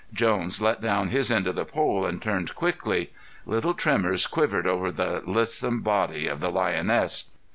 Jones let down his end of the pole and turned quickly. Little tremors quivered over the lissome body of the lioness.